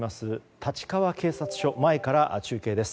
立川警察署前から中継です。